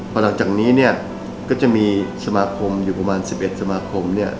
พอหลังจากนี้เนี่ยก็จะมีสมาคมอยู่ประมาณ๑๑สมาคมเนี่ย